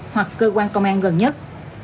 hoặc cơ quan công an gần nhất